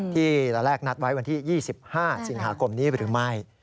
ที่ระแลกนัดไว้วันที่๒๕สิงหาคมนี้หรือไม่